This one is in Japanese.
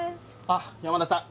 あっ山田さん